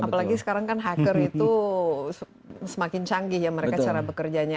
apalagi sekarang kan hacker itu semakin canggih ya mereka cara bekerjanya